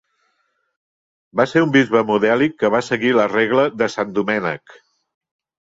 Va ser un bisbe modèlic que va seguir la regla de Sant Domènec.